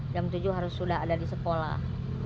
jam tujuh harus sudah ada di sekolah